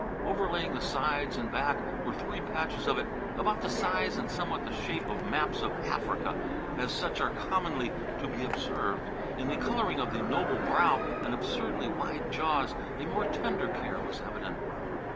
Overlaying the sides and back were three patches of it about the size and somewhat the shape of maps of Africa as such are commonly to be observed. In the colouring of the noble brow and absurdly wide jaws a more tender care was evident.